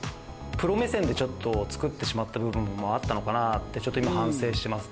プロ目線で作ってしまった部分もあったのかなってちょっと今反省しています。